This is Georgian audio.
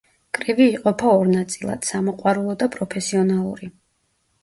კრივი იყოფა ორ ნაწილად: სამოყვარულო და პროფესიონალური.